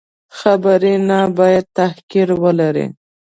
خبرې نه باید تحقیر ولري.